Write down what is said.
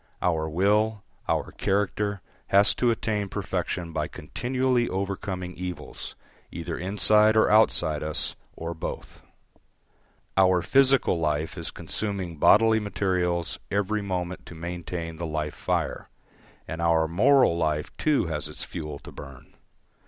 Our will, our character, has to attain perfection by continually overcoming evils, either inside or outside us, or both; our physical life is consuming bodily materials every moment to maintain the life fire; and our moral life too has its fuel to burn.